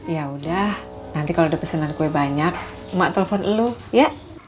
yaudah nanti kalau ada pesanan kue banyak ma telpon lo ya